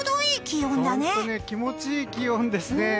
気持ちいい気温ですね。